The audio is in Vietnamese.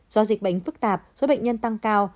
do dịch bệnh phức tạp số bệnh nhân tăng cao